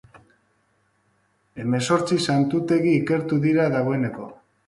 Hemezortzi santutegi ikertu dira dagoeneko.